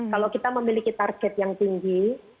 kalau kita memiliki target yang tinggi